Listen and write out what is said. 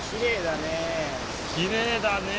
きれいだね。